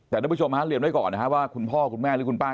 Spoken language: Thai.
แต่ท่านผู้ชมฮะเรียนไว้ก่อนนะครับว่าคุณพ่อคุณแม่หรือคุณป้า